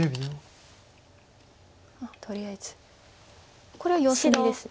とりあえずこれは様子見です。